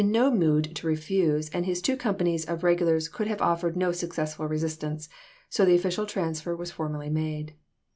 * no mood to refuse and his two companies of regu oeSf or lars could have offered no successful resistance ; so is, isei. " W. E. Vol. the official transfer was formally made.